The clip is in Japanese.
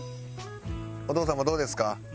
お父さんもどうですか？